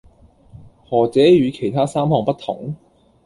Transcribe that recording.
何者與其他三項不同？